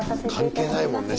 関係ないもんね